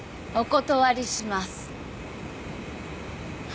お断りします。